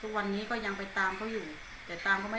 ทุกวันนี้ก็ยังไปตามเขาอยู่